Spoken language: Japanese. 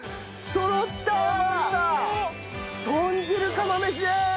そろった！豚汁釜飯です。